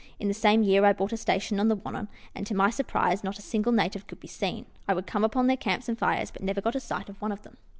In the same year, I bought a station on the Wannon, and, to my surprise, not a single native could be seen. I would come upon their camps and fires, but never got a sight of one of them.